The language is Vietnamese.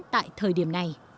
tại thời điểm này